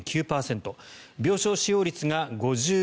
病床使用率が５５％。